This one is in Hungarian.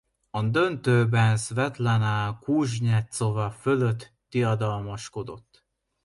A döntőben Szvetlana Kuznyecova fölött diadalmaskodott.